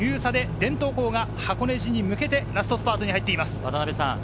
伝統校が箱根路に向けてラストスパートに入っています。